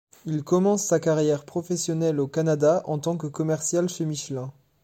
Il commence sa carrière professionnelle au Canada en tant que commercial chez Michelin.